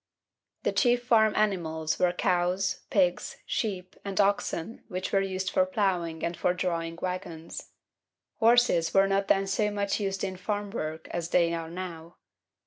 The chief farm animals were cows, pigs, sheep; and oxen, which were used for ploughing and for drawing waggons. Horses were not then so much used in farm work as they are now.